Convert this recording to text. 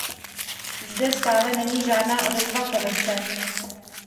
Zde stále není žádná odezva Komise.